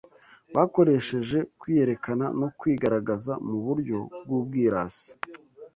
bakoresheje kwiyerekana no kwigaragaza mu buryo bw’ubwirasi